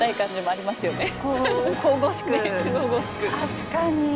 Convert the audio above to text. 確かに。